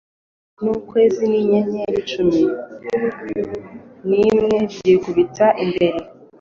n ukwezi n inyenyeri cumi n imwe byikubita imbere